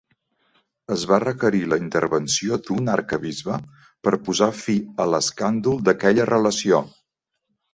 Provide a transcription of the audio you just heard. Es va requerir la intervenció d'un arquebisbe per posar fi a l'escàndol d’aquella relació.